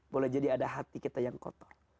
boleh jadi ada hati kita yang kotor